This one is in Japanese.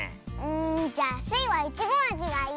んじゃあスイはイチゴあじがいい！